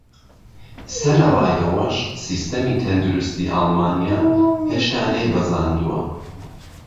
سەرەڕای ئەوەش، سیستەمی تەندروستی ئەڵمانیا هێشتا نەیبەزاندووە.